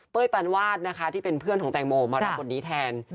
ปานวาดนะคะที่เป็นเพื่อนของแตงโมมารับบทนี้แทน